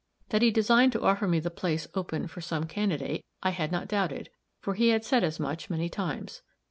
That he designed to offer me the place open for some candidate, I had not doubted, for he had said as much many times.